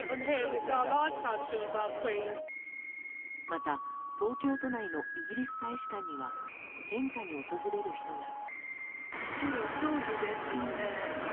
また東京都内のイギリス大使館には献花に訪れる人が。